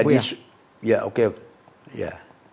di sosial ya oke ya